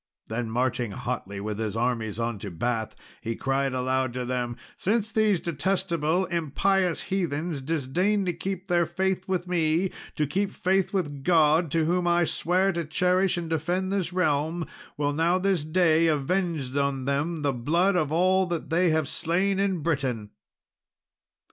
Then marching hotly with his armies on to Bath, he cried aloud to them, "Since these detestable impious heathens disdain to keep their faith with me, to keep faith with God, to whom I sware to cherish and defend this realm, will now this day avenge on them the blood of all that they have slain in Britain!"